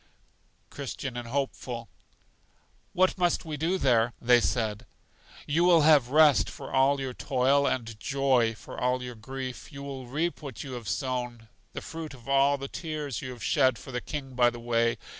Christian and Hopeful. What must we do there? They said: You will have rest for all your toil, and joy for all your grief. You will reap what you have sown the fruit of all the tears you shed for the King by the way.